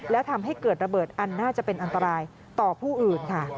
แล้วทำให้เกิดระเบิดอันน่าจะเป็นอันตรายต่อผู้อื่นค่ะ